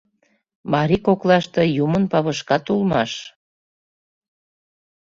Марий коклаште юмын павышкат улмаш.